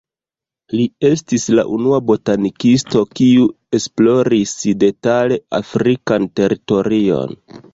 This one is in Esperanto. Li estis la unua botanikisto, kiu esploris detale afrikan teritorion.